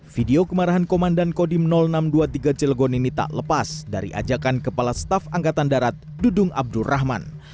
video kemarahan komandan kodim enam ratus dua puluh tiga cilegon ini tak lepas dari ajakan kepala staf angkatan darat dudung abdurrahman